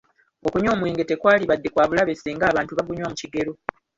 Okunywa omwenge tekwalibadde kwa bulabe singa abantu bagunywa mu kigero.